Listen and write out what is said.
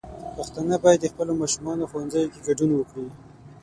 پښتانه بايد د خپلو ماشومانو ښوونځيو کې ګډون وکړي.